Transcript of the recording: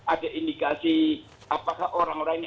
ada indikasi apakah orang lainnya